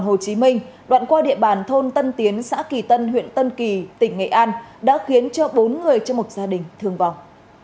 hồ chí minh đoạn qua địa bàn thôn tân tiến xã kỳ tân huyện tân kỳ tỉnh nghệ an đã khiến cho bốn người trong một gia đình thương vọng